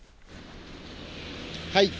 はい。